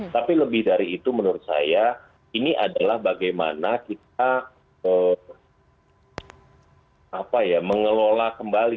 tapi lebih dari itu menurut saya ini adalah bagaimana kita mengelola kembali